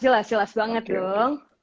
jelas jelas banget dong